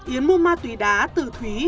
yến mua ma túy đá từ thúy